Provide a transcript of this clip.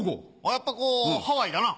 やっぱハワイだな。